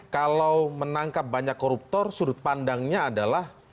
kalau menangkap banyak koruptor sudut pandangnya adalah